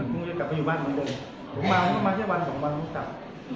กลับไปอยู่บ้านบนบนมาไม่ใช่วัน๒วันก็จับ